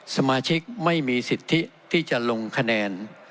สมาชิกไม่มีสิทธิที่จะลงคะแนน